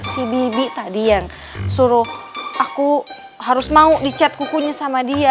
si bibi tadi yang suruh aku harus mau dicat kukunya sama dia